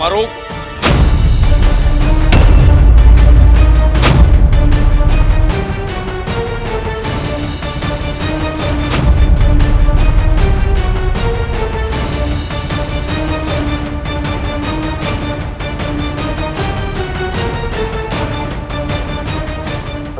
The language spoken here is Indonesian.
para prajurit angkamu masuk